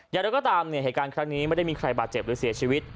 อย่างไรก็ตามเนี่ยเหตุการณ์ครั้งนี้ไม่ได้มีใครบาดเจ็บหรือเสียชีวิต